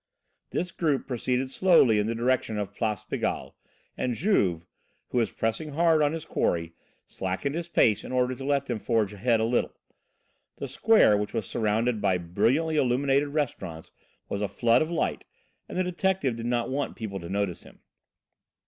This group proceeded slowly in the direction of Place Pigalle, and Juve, who was pressing hard on his quarry, slackened his pace in order to let them forge ahead a little. The square, which was surrounded by brilliantly illuminated restaurants, was a flood of light, and the detective did not want people to notice him.